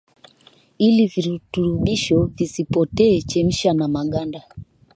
ili virutubishi visipotee chemsha na maganda